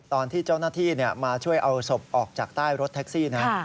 ตอนที่เจ้าหน้าที่มาช่วยเอาศพออกจากใต้รถแท็กซี่นะ